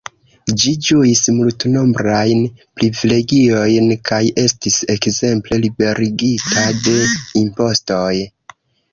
Ĝi ĝuis multnombrajn privilegiojn kaj estis ekzemple liberigita de impostoj.